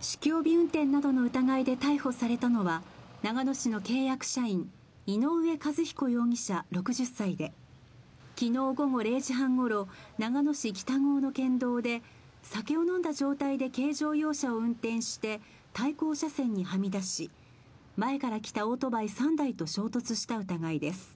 酒気帯び運転などの疑いで逮捕されたのは長野市の契約社員、井上和彦容疑者、６０歳で昨日午後０時半ごろ、長野市北郷の県道で酒を飲んだ状態で軽乗用車を運転して対向車線にはみ出し前から来たオートバイ３台と衝突した疑いです。